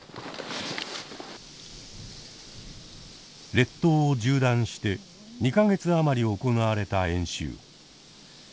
列島を縦断して２か月余り行われた演習。